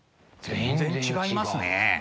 全然違いますね。